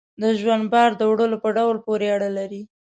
د ژوند بار د وړلو په ډول پورې اړه لري.